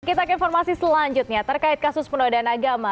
kita ke informasi selanjutnya terkait kasus penodaan agama